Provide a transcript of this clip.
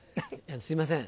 すみません